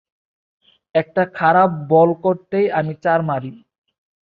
একটা খারাপ বল করতেই আমি চার মারি।